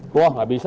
wah nggak bisa